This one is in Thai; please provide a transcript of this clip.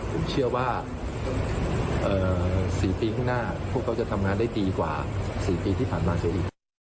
ผมเชื่อว่า๔ปีข้างหน้าพวกเขาจะทำงานได้ดีกว่า๔ปีที่ผ่านมาเสียอีก